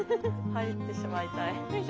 入ってしまいたい。